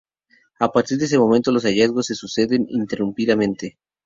A partir de ese momento los hallazgos se suceden ininterrumpidamente.